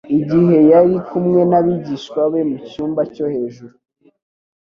Igihe yari kumwe n'abigishwa be mu cyumba cyo hejuru